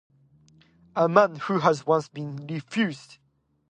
A man who has once been refused!